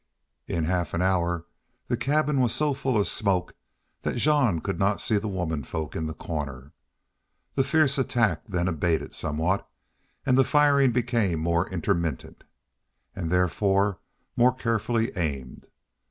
In half an hour the cabin was so full of smoke that Jean could not see the womenfolk in their corner. The fierce attack then abated somewhat, and the firing became more intermittent, and therefore more carefully aimed.